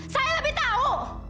saya lebih tahu